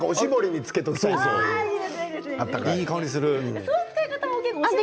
いい香りがする。